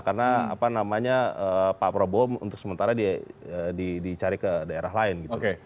karena apa namanya pak prabowo untuk sementara dia dicari ke daerah lain gitu